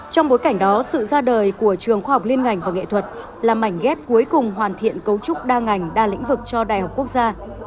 trong bối cảnh đó sự ra đời của trường khoa học liên ngành và nghệ thuật là mảnh ghép cuối cùng hoàn thiện cấu trúc đa ngành đa lĩnh vực cho đại học quốc gia